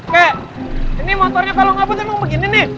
keh ini motornya kalau ngapet emang begini nih